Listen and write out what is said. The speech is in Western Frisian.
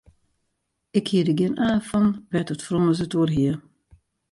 Ik hie der gjin aan fan wêr't it frommes it oer hie.